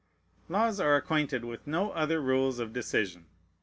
Laws are acquainted with no other rules of decision.